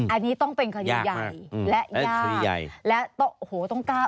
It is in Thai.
อันนี้ต้องเป็นคณิตใหญ่และยาก